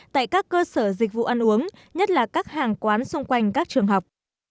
tại các cơ sở dịch vụ ăn uống nhất là các hàng quán xung quanh các trường học